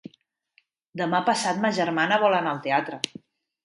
Demà passat ma germana vol anar al teatre.